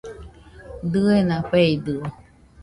Dɨena feidɨo